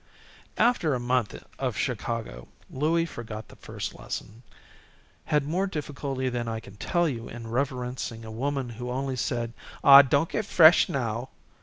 After a month of Chicago Louie forgot the first lesson; had more difficulty than I can tell you in reverencing a woman who only said, "Aw, don't get fresh now!"